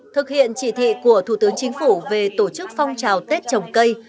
thực hiện chỉ thị của thủ tướng chính phủ về tổ chức phong trào tết trồng cây